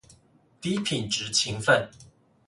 低品質勤奮